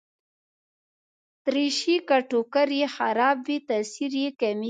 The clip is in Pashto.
دریشي که ټوکر يې خراب وي، تاثیر کمېږي.